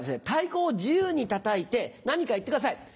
太鼓を自由に叩いて何か言ってください。